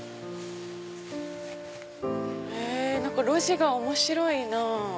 何か路地が面白いなぁ。